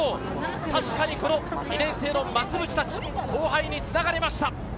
確かに２年生の増渕たち後輩に繋がりました。